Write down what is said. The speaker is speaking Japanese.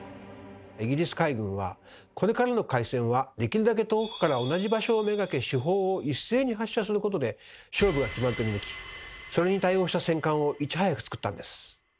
イギリス海軍はこれからの海戦はできるだけ遠くから同じ場所を目がけ主砲を一斉に発射することで勝負が決まると見抜きそれに対応した戦艦をいち早く造ったんです。